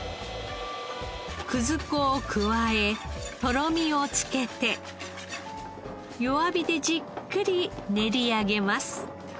葛粉を加えとろみをつけて弱火でじっくり練り上げます。